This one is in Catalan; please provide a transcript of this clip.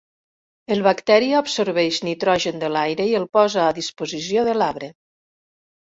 El bacteri absorbeix nitrogen de l'aire i el posa a disposició de l'arbre.